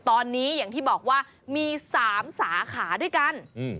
ตอนนี้อย่างที่บอกว่ามี๓สาขาด้วยกัน